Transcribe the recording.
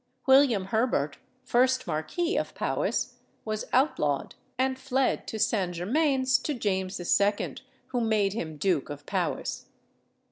William Herbert, first Marquis of Powis, was outlawed and fled to St. Germain's to James II., who made him Duke of Powis.